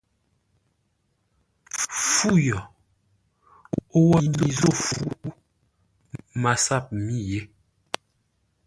Fu yo! O wo mi zô fu, MASAP mî yé.